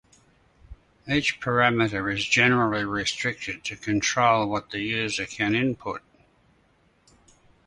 Each parameter is generally restricted to control what the user can input.